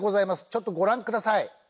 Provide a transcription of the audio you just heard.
ちょっとご覧ください。